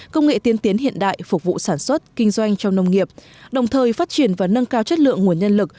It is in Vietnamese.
công nghệ tiên tiến hiện đại phục vụ sản xuất kinh doanh trong nông nghiệp đồng thời phát triển và nâng cao chất lượng nguồn nhân lực